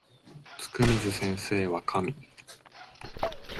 つくみず先生は神